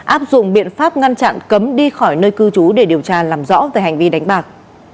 áp dụng biện pháp ngăn chặn cấm đi khỏi nơi cư trú để điều tra làm rõ về hành vi đánh bạc